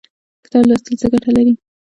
کتاب لوستل څه ګټه لري؟